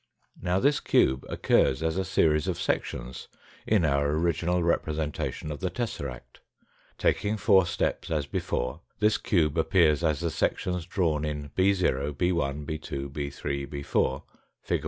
116. Now this cube occurs as a series of sections in our original representation of the tesseract. Taking four steps as before this cube appears as the sections drawn in 6 , b\, b 2, b 3 , 64, fig.